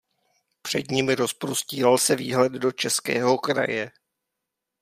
Před nimi rozprostíral se výhled do českého kraje.